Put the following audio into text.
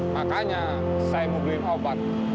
makanya saya mau beli obat